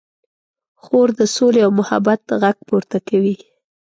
خور د سولې او محبت غږ پورته کوي.